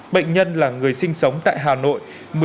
bệnh nhân là người sinh sống tại hà nội